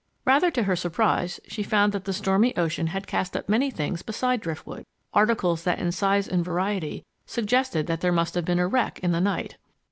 Rather to her surprise, she found that the stormy ocean had cast up many things beside driftwood articles that in size and variety suggested that there must have been a wreck in the night.